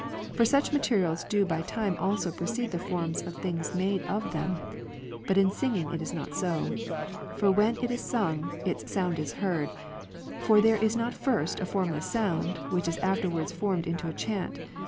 For such materials do by time also precede the forms of the things made of them, but in singing it is not so ; for when it is sung, its sound is heard ; for there is not first a formless sound, which is afterwards formed into a chant.